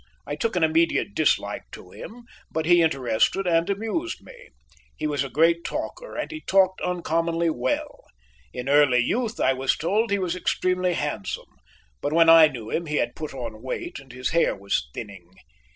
I took an immediate dislike to him, but he interested and amused me. He was a great talker and he talked uncommonly well. In early youth, I was told, he was extremely handsome, but when I knew him he had put on weight, and his hair was thinning.